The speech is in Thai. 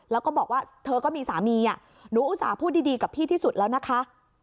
แล้วก็บอกว่าเธอก็มีสามีหนูอุตส่าห์พูดดีกับพี่ที่สุดแล้วนะคะ